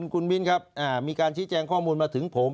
คุณมิ้นครับมีการชี้แจงข้อมูลมาถึงผม